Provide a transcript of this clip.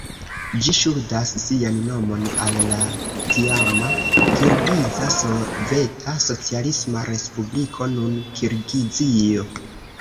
Ĝi ŝuldas sian nomon al la tiama Kirgiza Soveta Socialisma Respubliko, nun Kirgizio.